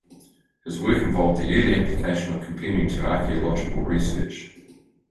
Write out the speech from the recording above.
His work involved the early application of computing to archaeological research.